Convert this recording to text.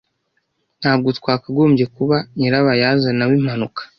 Ntabwo twakagombye kuba nyirabayazana w'impanuka.